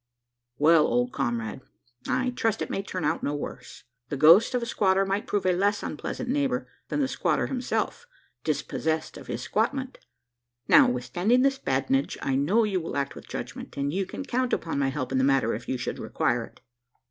"Well, old comrade; I trust it may turn out no worse. The ghost of a squatter might prove a less unpleasant neighbour than the squatter himself, dispossessed of his squatment. Notwithstanding this badinage, I know you will act with judgment; and you can count upon my help in the matter, if you should require it."